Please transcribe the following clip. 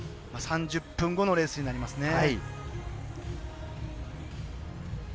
３０分後のレースになりますね。